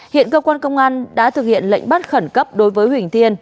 hiện cơ quan công an đã thực hiện lệnh bắt khẩn cấp đối với huỳnh thiên